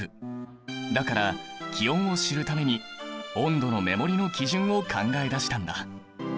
だから気温を知るために温度の目盛りの基準を考えだしたんだ！